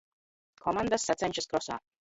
Komandas sacenšas krosā